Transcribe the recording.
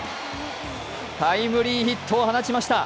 タイムリーヒットを放ちました。